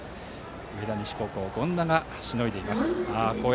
上田西、権田がしのいでいます。